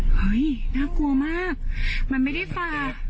เฮ้ยน่ากลัวมากมันไม่ได้ฝาด